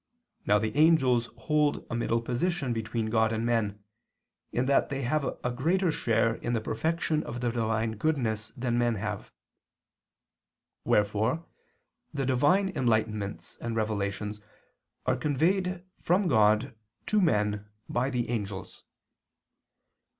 Now the angels hold a middle position between God and men, in that they have a greater share in the perfection of the Divine goodness than men have. Wherefore the Divine enlightenments and revelations are conveyed from God to men by the angels.